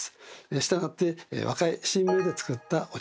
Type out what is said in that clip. したがって若い新芽で作ったお茶。